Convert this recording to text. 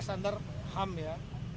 standar ham ya